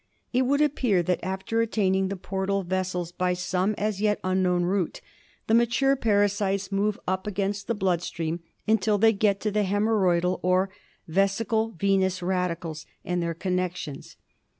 It would appear that after attaining the portal vessels by some as yet unknown route, the mature parasites move up against the blood stream until they get to the hsemorrhoidal or vesical venous radicles and their connections.